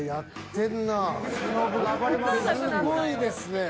すごいですね。